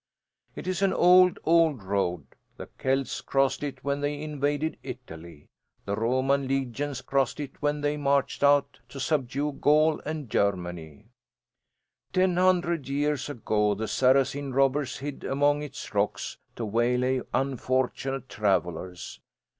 It is an old, old road. The Celts crossed it when they invaded Italy. The Roman legions crossed it when they marched out to subdue Gaul and Germany. Ten hundred years ago the Saracen robbers hid among its rocks to waylay unfortunate travellers.